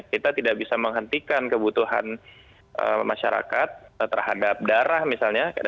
kita tidak bisa menghentikan kebutuhan masyarakat terhadap darah misalnya